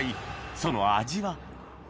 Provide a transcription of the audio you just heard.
その味は？